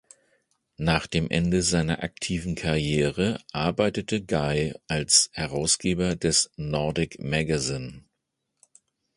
Nach dem Ende seiner aktiven Karriere arbeitete Guy als Herausgeber des "Nordic Magazine".